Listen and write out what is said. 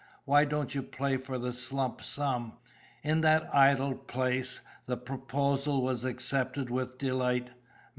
Why don't you play for the slump sum?" In that idle place, the proposal was accepted with delight.